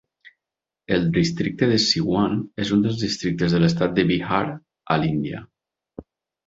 El districte de Siwan és un dels districtes de l'estat de Bihar, a l'Índia.